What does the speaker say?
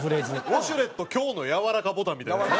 ウォシュレット強のやわらかボタンみたいなやつね。